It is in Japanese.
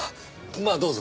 まあどうぞ。